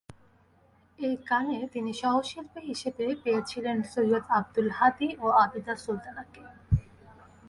এই গানে তিনি সহশিল্পী হিসেবে পেয়েছিলেন সৈয়দ আব্দুল হাদী ও আবিদা সুলতানাকে।